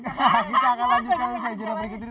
kita akan lanjutkan di segmen berikutnya